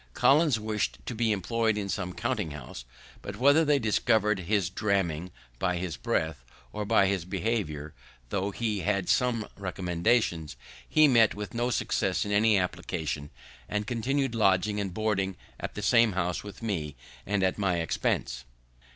Collins wished to be employ'd in some counting house; but, whether they discover'd his dramming by his breath, or by his behaviour, tho' he had some recommendations, he met with no success in any application, and continu'd lodging and boarding at the same house with me, and at my expense.